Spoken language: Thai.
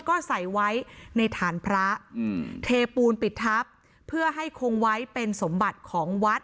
ก็ใส่ไว้ในฐานพระอืมเทปูนปิดทับเพื่อให้คงไว้เป็นสมบัติของวัด